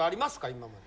今まで。